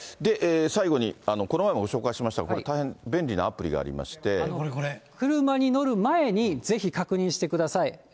最後に、この前もご紹介しましたが、これ、大変便利なアプリ車に乗る前に、ぜひ確認してください。